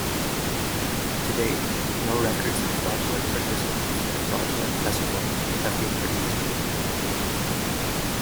To date, no records of fraudulent participants or fraudulent testimony have been produced.